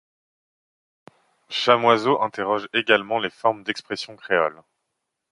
Chamoiseau interroge également les formes d'expression créoles.